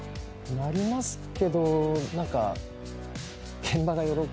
なりますけど何か。